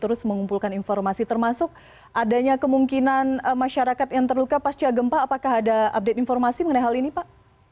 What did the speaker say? terus mengumpulkan informasi termasuk adanya kemungkinan masyarakat yang terluka pasca gempa apakah ada update informasi mengenai hal ini pak